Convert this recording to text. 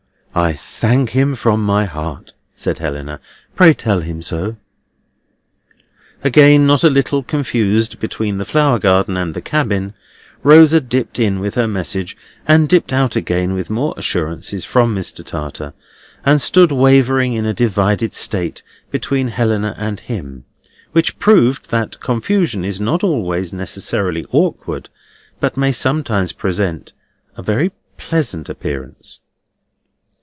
"I thank him from my heart," said Helena. "Pray tell him so." Again not a little confused between the Flower garden and the Cabin, Rosa dipped in with her message, and dipped out again with more assurances from Mr. Tartar, and stood wavering in a divided state between Helena and him, which proved that confusion is not always necessarily awkward, but may sometimes present a very pleasant appearance.